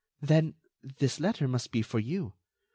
"Then, this letter must be for you.